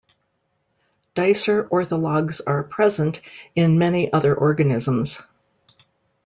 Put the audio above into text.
Dicer orthologs are present in many other organisms.